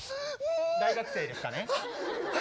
大学生ですかね。